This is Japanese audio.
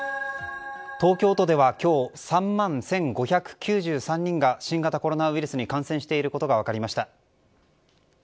東京都では今日３万１５９３人が新型コロナウイルスに感染していることが分かりました。